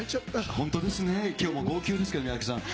本当ですね、きょうも号泣ですね、三宅さん。